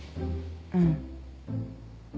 うん。